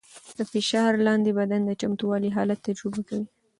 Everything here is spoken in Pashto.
د فشار لاندې بدن د چمتووالي حالت تجربه کوي.